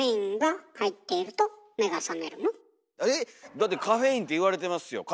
だってカフェインって言われてますよ。